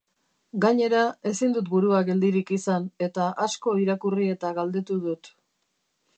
Gainera, ezin dut burua geldirik izan eta asko irakurri eta galdetu dut.